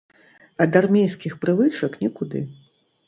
Ад армейскіх прывычак нікуды.